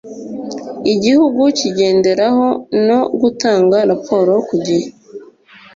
igihugu kigenderaho no gutanga raporo ku gihe